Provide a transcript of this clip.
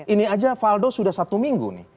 ini aja faldo sudah satu minggu nih